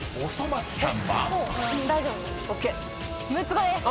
６つ子です。